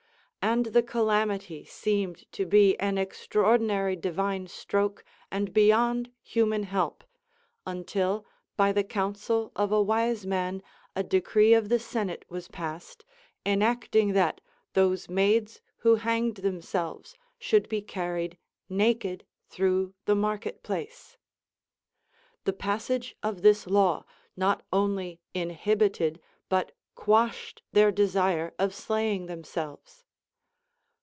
And the calamity seemed to be an extraordi nary divine stroke and beyond human help, until by the counsel of a wise man a decree of the senate was passed, enacting that those maids who hanged themselves should be carried naked through the market place. The passage of this law not only inhibited but quashed their desire of slaying themselves.